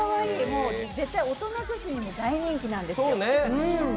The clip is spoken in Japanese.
大人女子に大人気なんですよ。